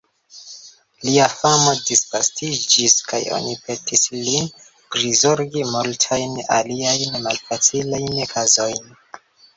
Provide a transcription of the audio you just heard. Lia famo disvastiĝis kaj oni petis lin prizorgi multajn aliajn malfacilajn kazojn.